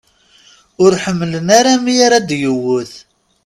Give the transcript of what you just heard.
Ur ḥemmlen ara mi ara d-yewwet.